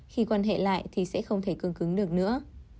khi quan hệ lại thì sẽ không thể cương cứng được nữa